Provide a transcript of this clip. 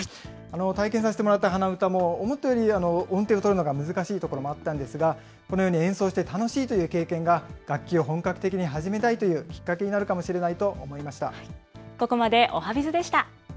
体験させてもらった鼻歌も、思ったより音程を取るのが難しいところもあったんですが、このように演奏して楽しいという経験が、楽器を本格的に始めたいというきっかけになるかもしれないと思いました。